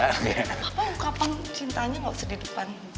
papa ungkapan cintanya nggak usah di depan